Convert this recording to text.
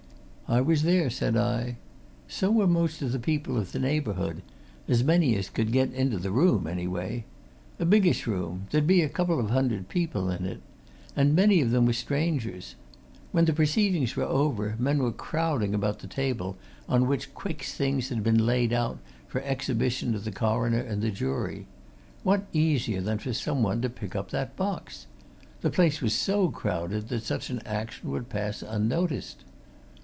"I was there," said I. "So were most people of the neighbourhood as many as could get into the room, anyway. A biggish room there'd be a couple of hundred people in it. And many of them were strangers. When the proceedings were over, men were crowding about the table on which Quick's things had been laid out, for exhibition to the coroner and the jury what easier than for someone to pick up that box? The place was so crowded that such an action would pass unnoticed."